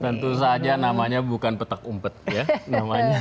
tentu saja namanya bukan petak umpet ya namanya